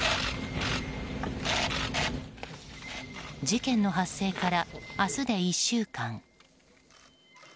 事件の発生から明日で１週間。